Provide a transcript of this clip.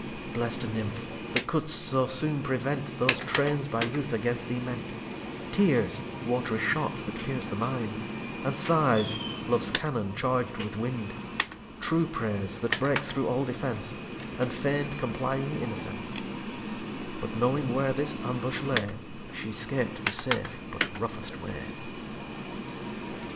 xc Blest Nymph! that couldst so soon prevent Those Trains by Youth against thee meant; Tears (watry Shot that pierce the Mind;) And Sighs (Loves Cannon charg'd with Wind;) True Praise (That breaks through all defence;) And feign'd complying Innocence; But knowing where this Ambush lay, She scap'd the safe, but roughest Way.